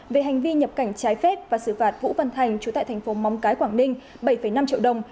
về hành vi nhập cảnh trái phép và xử phạt vũ văn thành chú tại thành phố móng cái quảng ninh bảy năm triệu đồng